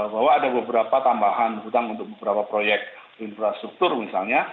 bahwa ada beberapa tambahan hutang untuk beberapa proyek infrastruktur misalnya